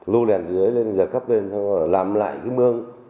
lưu đèn dưới lên giật cấp lên làm lại mương